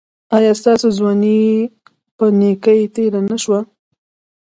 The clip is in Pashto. ایا ستاسو ځواني په نیکۍ تیره نه شوه؟